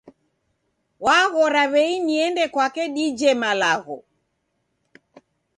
Waghora w'ei niende kwake dije malagho